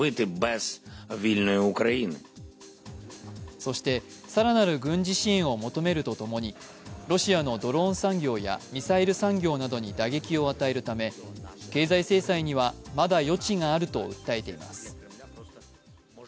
そして、更なる軍事支援を求めるとともにロシアのドローン産業やミサイル産業などに打撃を与えるため経済制裁にはまだ余地があると訴えています。